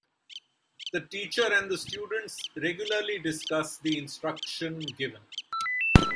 The teacher and the students regularly discuss the instruction given.